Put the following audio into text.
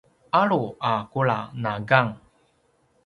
alu a kula na gang